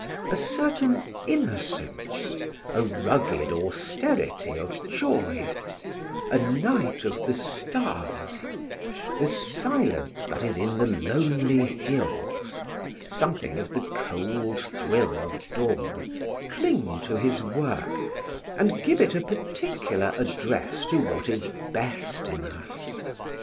A certain innocence, a rugged austerity of joy, a night of the stars, "the silence that is in the lonely hills," something of the cold thrill of dawn, cling to his work and give it a particular address to what is best in us.